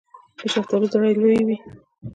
د شفتالو زړې لویې وي.